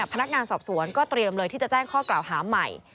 พนักงานสอบสวนก็เตรียมเลยที่จะแจ้งข้อกล่าวหาใหม่